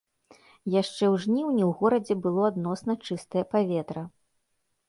Яшчэ ў жніўні ў горадзе было адносна чыстае паветра.